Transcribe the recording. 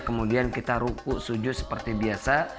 kemudian kita rukuk sujud seperti biasa